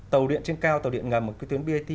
tàu điện trên cao tàu điện ngầm tuyến bat